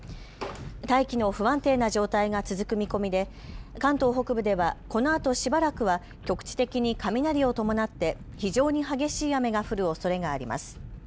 大気の不安定な状態が続く見込みで関東北部ではこのあとしばらくは局地的に雷を伴って非常に激しい雨が降るおそれがあります。